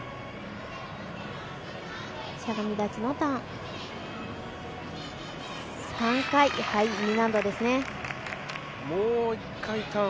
しゃがみ立ちのターン。